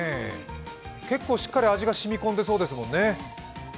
結構しっかり味が染み込んでいそうですもんね。